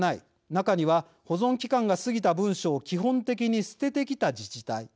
中には保存期間が過ぎた文書を基本的に捨ててきた自治体。